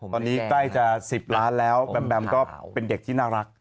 ตอนนี้ใกล้จะ๑๐ล้านแล้วแบมแบมก็เป็นเด็กที่น่ารัก